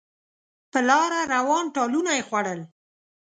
په لاره روان ټالونه یې خوړل